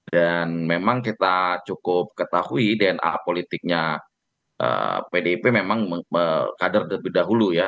dan memang kita cukup ketahui dna politiknya pdip memang kader lebih dahulu ya